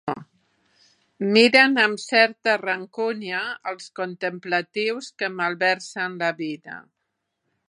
Miren amb certa rancúnia els contemplatius que malversen la vida.